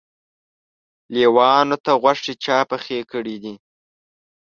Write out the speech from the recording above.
لېوانو ته غوښې چا پخې کړي دي؟